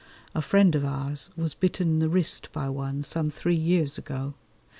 A friend of ours was bitten in the wrist by one some three years ago.